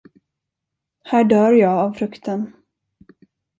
Här dör jag av fruktan.